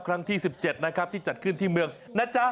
ครั้งที่๑๗นะครับที่จัดขึ้นที่เมืองนะจ๊ะ